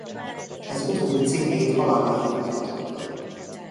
Ez utóbbi címét haláláig megtartotta.